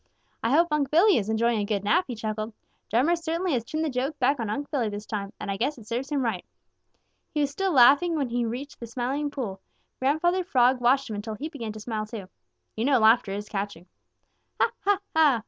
"I hope Unc' Billy is enjoying a good nap," he chuckled. "Drummer certainly has turned the joke back on Unc' Billy this time, and I guess it serves him right." He was still laughing when he reached the Smiling Pool. Grandfather Frog watched him until he began to smile too. You know laughter is catching. "Ha, ha, ha!